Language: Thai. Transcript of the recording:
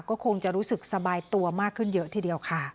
ก็คงจะรู้สึกสบายตัวมากขึ้นเยอะทีเดียวค่ะ